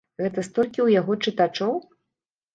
Гэта столькі ў яго чытачоў?